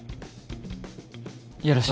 よろしく。